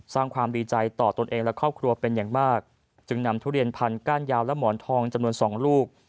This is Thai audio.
สร้างความดีใจต่อตนเองและครอบครัวเป็นอย่างมากจึงนำทุเรียนพันก้านยาวและหมอนทองจำนวนสองลูก